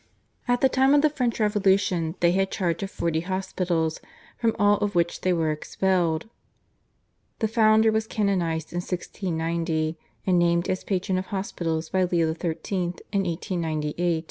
At the time of the French Revolution they had charge of forty hospitals, from all of which they were expelled. The founder was canonised in 1690, and named as patron of hospitals by Leo XIII. in 1898.